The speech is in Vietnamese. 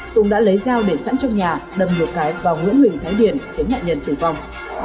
tùng đã lấy dao để sẵn trong nhà đâm nhiều cái vào nguyễn huỳnh thái điển khiến nạn nhân tử vong